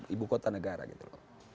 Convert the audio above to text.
ibu kota negara gitu loh